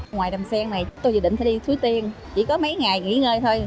ngoài đầm sen này tôi dự định đi thúy tiên chỉ có mấy ngày nghỉ ngơi thôi